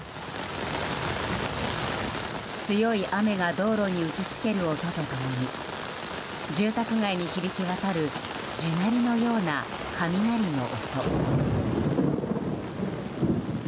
強い雨が道路に打ち付ける音と共に住宅街に響き渡る地鳴りのような雷の音。